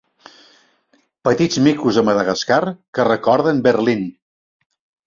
Petits micos de Madagascar que recorden Berlin.